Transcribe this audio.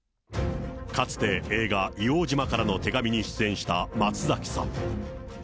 かつて、映画、硫黄島からの手紙に出演した松崎さん。